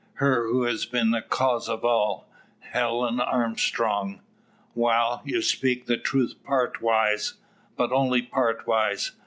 "Her who has been the cause of all Helen Armstrong." "Wal; ye speak the truth partwise but only partwise.